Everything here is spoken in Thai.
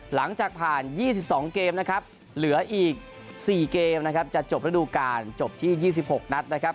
หลังจากผ่าน๒๒เกมนะครับเหลืออีก๔เกมนะครับจะจบระดูการจบที่๒๖นัดนะครับ